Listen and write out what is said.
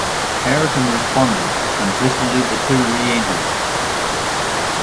Hareton responded, and presently the two re-entered.